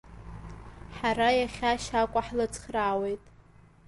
Ҳара иахьа Шьакәа ҳлыцхраауеит…